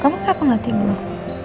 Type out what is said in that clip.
kamu kenapa ga tidur